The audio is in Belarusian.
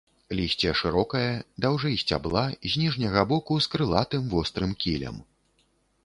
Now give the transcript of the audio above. Лісце шырокае, даўжэй сцябла, з ніжняга боку з крылатым вострым кілем.